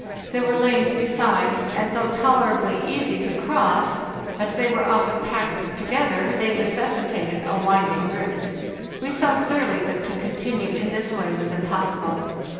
There were lanes besides, and though tolerably easy to BY SLEDGE AND KAYAK 285 cross, as they were often packed together, they necessi tated a winding route. We saw clearly that to continue in this way was impossible.